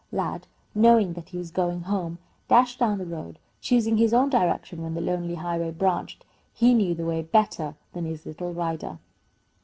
Lad, knowing that he was going home, dashed down the road, choosing his own direction when the lonely highway branched. He knew the way better than his little rider.